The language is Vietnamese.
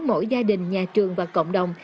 mỗi gia đình nhà trường và cộng đồng